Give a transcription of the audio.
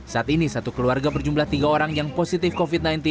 saat ini satu keluarga berjumlah tiga orang yang positif covid sembilan belas